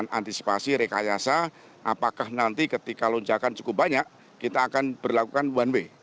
dengan antisipasi rekayasa apakah nanti ketika lonjakan cukup banyak kita akan berlakukan one way